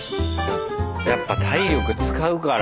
やっぱ体力使うから。